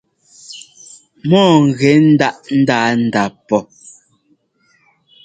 Mɔɔ gɛ ńdáʼ ńdanda pɔ́.